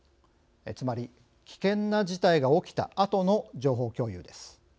つまり危険な事態が起きたあとの情報共有です。